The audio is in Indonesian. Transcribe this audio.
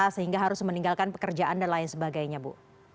sehingga harus meninggalkan pekerjaan dan lain sebagainya bu